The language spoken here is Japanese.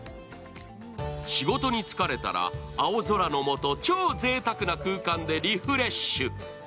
仕事に疲れたら、青空のもと超ぜいたくな空間でリフレッシュ。